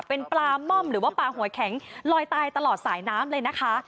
เป็นปลาม่อมหรือว่าปลาหัวแข็งลอยตายตลอดสายน้ำเลยนะคะ